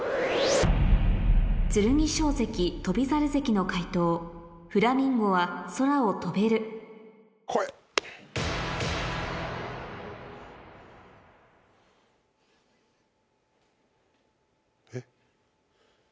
剣翔関翔猿関の解答「フラミンゴは空を飛べる」来い！えっ？